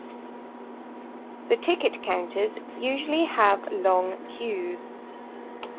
The ticket counters usually have long queues.